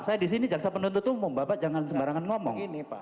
saya di sini jaksa penuntut umum bapak jangan sembarangan ngomong